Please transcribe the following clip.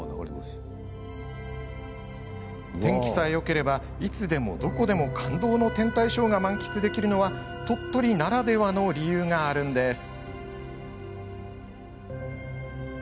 天気さえよければいつでもどこでも感動の天体ショーが満喫できるのは鳥取ならではの理由があるんです。